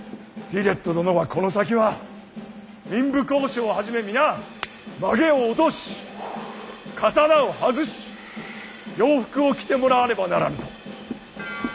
ヴィレット殿はこの先は民部公子をはじめ皆髷を落とし刀を外し洋服を着てもらわねばならぬと。